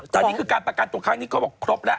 แต่นี่คือการประกันตัวครั้งนี้เขาบอกครบแล้ว